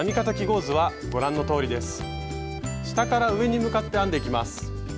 下から上に向かって編んでいきます。